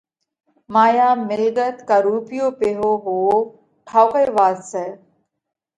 مايا، مِلڳت ڪا رُوپيو پئِيهو هووَو ٺائُوڪئِي وات سئہ